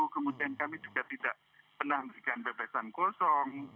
kemudian kami juga tidak pernah memberikan bebasan kosong